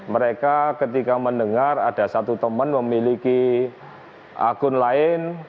mereka ketika mendengar ada satu teman memiliki akun lain